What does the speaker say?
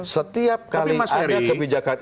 setiap kali ada kebijakan